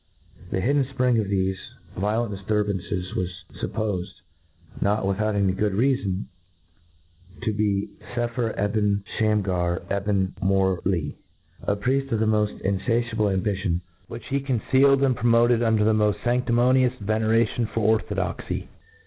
' The hidden fpring.of thefe violent difturban «s waB fuppofed, not v^rithout good rcafon, to be 9epher Ebn Shamgar Ebn Mourli — ^a prieft of the moft in&tiable ambition, which he concealed and promoted under the moft fandimonious veneration for orthodoxy.